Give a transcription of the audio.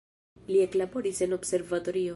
Li eklaboris en observatorio.